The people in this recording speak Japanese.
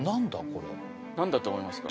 これ何だと思いますか？